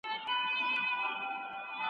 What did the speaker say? د عادل حاکم دعا قبولیږي.